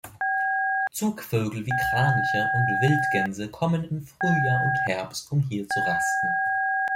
Zugvögel wie Kraniche und Wildgänse kommen im Frühjahr und Herbst, um hier zu rasten.